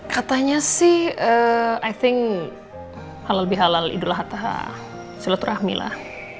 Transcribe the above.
katanya sih i think halal bi halal idul hatta syulatul rahmi lah